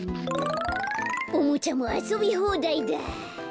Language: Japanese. おもちゃもあそびほうだいだ。